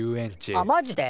あマジで。